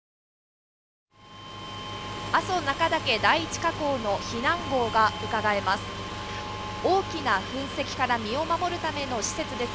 阿蘇・中岳第一火口の避難ごうがうかがえます。